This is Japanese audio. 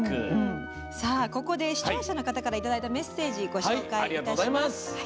ここで視聴者の方からいただいたメッセージご紹介します。